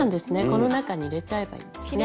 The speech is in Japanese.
この中に入れちゃえばいいんですね。